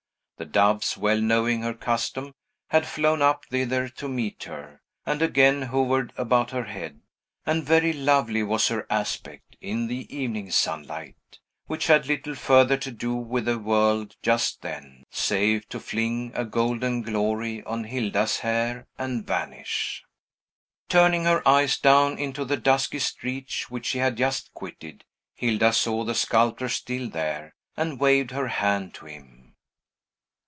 The doves, well knowing her custom, had flown up thither to meet her, and again hovered about her head; and very lovely was her aspect, in the evening Sunlight, which had little further to do with the world just then, save to fling a golden glory on Hilda's hair, and vanish. Turning her eyes down into the dusky street which she had just quitted, Hilda saw the sculptor still there, and waved her hand to him.